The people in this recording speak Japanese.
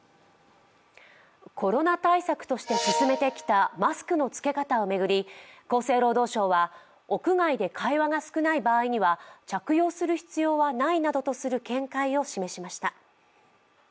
コロナ対策として進めてきたマスクの着け方をめぐり厚生労働省は、屋外で会話が少ない場合には着用する必要はないなどとする見解を示しました。